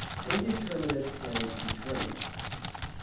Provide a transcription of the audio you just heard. Indeterminate and Determinate.